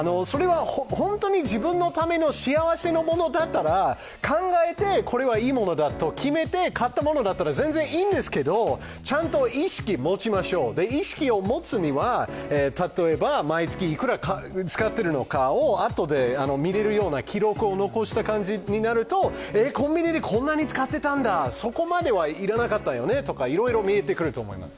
本当に自分の幸せのためだと考えて、これはいいものだと決めて勝ったものだったら全然いいんですけど、ちゃんと意識を持ちましょう、意識を持つには例えば毎月いくら使っているのかをあとで見れるような記録を残した感じでいるとコンビニでこんなに使ってたんだ、そこまでは要らなかったよねといろいろ見えてくると思います。